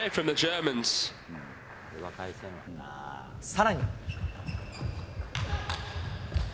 さらに。